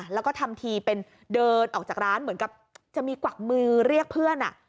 แล้วก็ทำทีเป็นเดินออกจากร้านเหมือนกับจะมีกวักมือเรียกเพื่อน